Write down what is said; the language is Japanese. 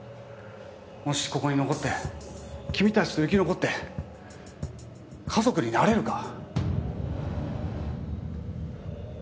もしここに残って君たちと生き残って家族になれるか？